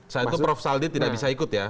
selain itu prof saldi tidak bisa ikut ya